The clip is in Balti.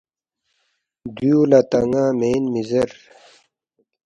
دیُو لہ تا ن٘ا مین مِہ زیر